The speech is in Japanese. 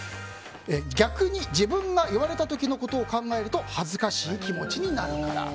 逆に自分が言われた時のことを考えると恥ずかしい気持ちになるから。